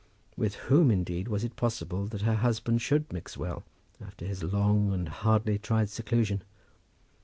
With whom, indeed, was it possible that her husband should mix well, after his long and hardly tried seclusion?